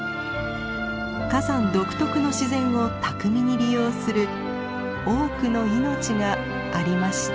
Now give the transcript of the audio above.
火山独特の自然を巧みに利用する多くの命がありました。